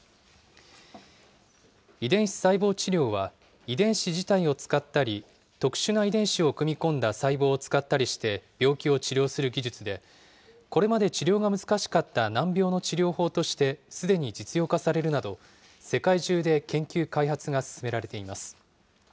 遺伝子細胞治療は、遺伝子自体を使ったり、特殊な遺伝子を組み込んだ細胞を使ったりして病気を治療する技術で、これまで治療が難しかった難病の治療法としてすでに実用化されるなど、世界中で研究・開発が進められています。